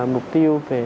mục tiêu về